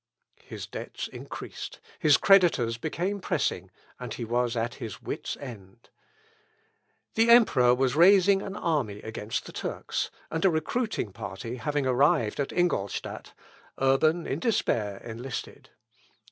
His debts increased, his creditors became pressing, and he was at his wit's end. The emperor was raising an army against the Turks, and a recruiting party having arrived at Ingolstadt, Urban in despair enlisted.